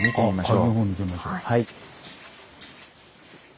あ下流のほう見てみましょう。